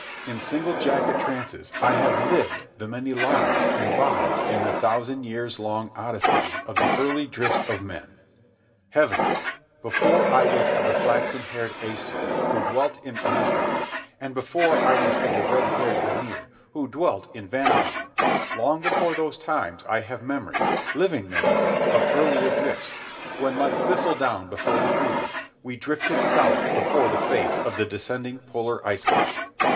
In single jacket trances I have lived the many lives involved in the thousand years long Odysseys of the early drifts of men. Heavens, before I was of the flaxen haired Aesir, who dwelt in Asgard, and before I was of the red haired Vanir, who dwelt in Vanaheim, long before those times I have memories (living memories) of earlier drifts, when, like thistledown before the breeze, we drifted south before the face of the descending polar ice cap.